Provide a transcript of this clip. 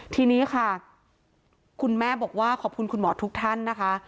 ทีนี้ค่ะคุณแม่บอกว่าขอบคุณคุณหมอทุกท่านนะคะ